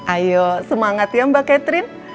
ayo semangat ya mbak catherine